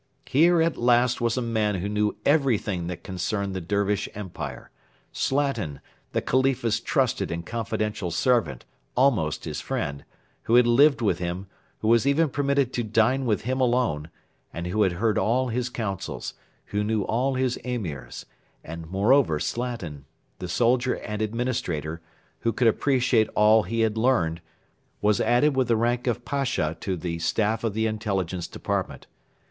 Here at last was a man who knew everything that concerned the Dervish Empire Slatin, the Khalifa's trusted and confidential servant, almost his friend, who had lived with him, who was even permitted to dine with him alone, who had heard all his counsels, who knew all his Emirs, and moreover Slatin, the soldier and administrator, who could appreciate all he had learned, was added with the rank of Pasha to the Staff of the Intelligence Department.